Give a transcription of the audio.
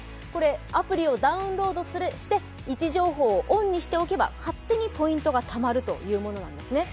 アプリをダウンロードして位置情報をオンにしておけば、勝手にポイントがたまるというものなんですね。